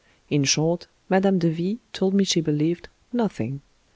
In short, Mme. de V told me she believed nothing.